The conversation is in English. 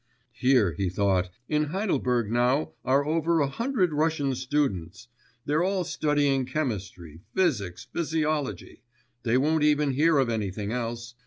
Here,' he thought, 'in Heidelberg now are over a hundred Russian students; they're all studying chemistry, physics, physiology they won't even hear of anything else